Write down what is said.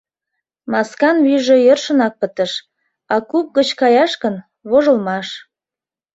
Маскан вийже йӧршынак пытыш, а куп гыч каяш гын — вожылмаш.